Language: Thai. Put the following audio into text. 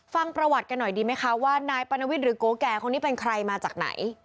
ฟังประวัติกันหน่อยดีไหมคะว่านายปรณวิทย์หรือโกแก่คนนี้เป็นใครมาจากไหน